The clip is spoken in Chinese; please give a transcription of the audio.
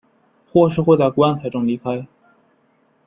或是会在棺材中离开。